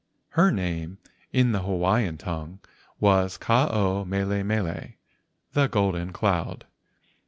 Her name in the Hawaiian tongue was Ke ao mele mele (The Golden Cloud).